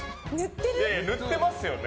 塗ってますよね？